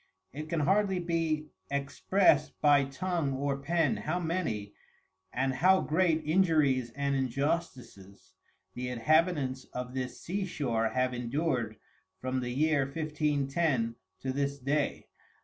It can hardly be exprest by Tongue or Pen how many, and how great Injuries and Injustices, the Inhabitants of this Sea shore have endur'd from the year 1510, to this day.